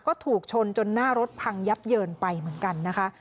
ก็ถูกชนจนหน้ารถพังยับเยินไปเหมือนกันนะคะ